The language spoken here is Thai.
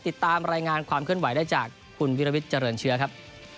ติดตามรายงานความเคลื่อนไหวได้จากคุณวิรวิทย์เจริญเชื้อครับ